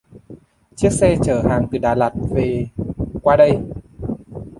Chiếc xe chở hàng từ Đà Lạt về qua đây